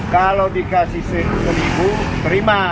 kalau dikasih seribu terima